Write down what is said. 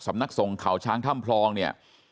สำนักส่งเขาช้างถ้ำพลองเนี่ย